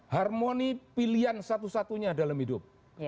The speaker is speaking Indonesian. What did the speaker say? harmoni pilihan satu satunya dalam hidup